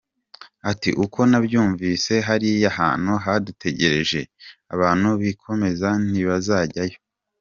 Ati "Uko nabyumvise hariya hantu hadutegereje, abantu bikomeza Ntibazajyaho.